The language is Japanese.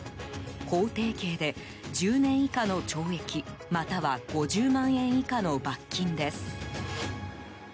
法定刑で１０年以下の懲役または５０万円以下の罰金です。